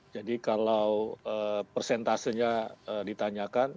jadi kalau persentasenya ditanyakan